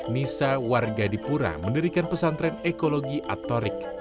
nisa warga dipura menirikan pesantren ekologi atorik